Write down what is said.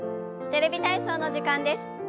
「テレビ体操」の時間です。